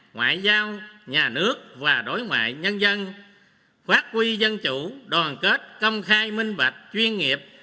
ngoại giao nhà nước và đối ngoại nhân dân phát huy dân chủ đoàn kết công khai minh bạch chuyên nghiệp